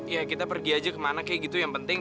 ya kita pergi aja kemana kayak gitu yang penting